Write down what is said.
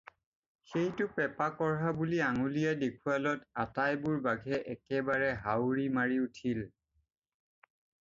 সেইটো পেপা-কঢ়া বুলি আঙুলিয়াই দেখুৱালত এটাইবোৰ বাঘে একেবাৰে হাউৰি মাৰি উঠিল।